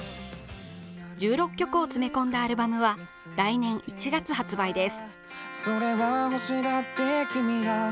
１６曲を詰め込んだアルバムは来年１月発売です。